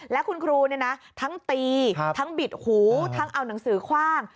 และคุณครูทั้งตีทั้งบิดหูทั้งเอาหนังสือคว่าง